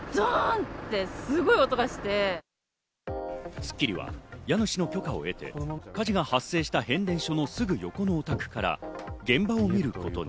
『スッキリ』は家主の許可を得て火事が発生した変電所のすぐ横のお宅から現場を見ることに。